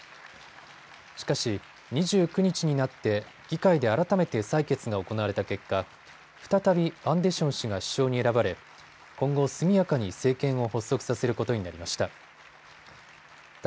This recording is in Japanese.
しかし、２９日になって議会で改めて採決が行われた結果、再びアンデション氏が首相に選ばれ今後速やかに政権を発足させることになりました。